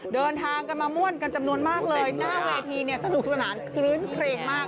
เดินทางกันมาม่วนกันจำนวนมากเลยหน้าเวทีเนี่ยสนุกสนานคลื้นเครงมาก